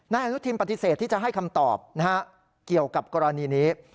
นายอนุทินปฏิเสธที่จะให้คำตอบเกี่ยวกับกรณีนี้